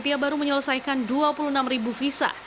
selesaikan dua puluh enam ribu visa